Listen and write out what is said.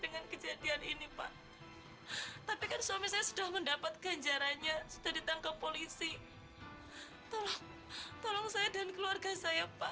gimanapun juga bapak suka sama bapak aisyah